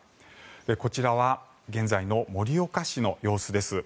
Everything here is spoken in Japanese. こちらは現在の盛岡市の様子です。